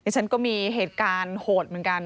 ฉันก็มีเหตุการณ์โหดเหมือนกัน